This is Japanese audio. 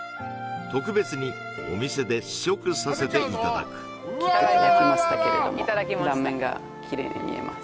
特別にお店で試食させていただく切っていただきましたけれども断面がきれいに見えます